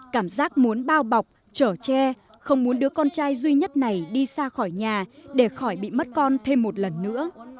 cảm giác muốn bao bọc trở tre không muốn đứa con trai duy nhất này đi xa khỏi nhà để khỏi bị mất con thêm một lần nữa